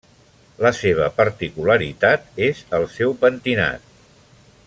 La seva particularitat és el seu pentinat.